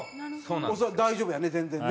恐らく大丈夫やね全然ね。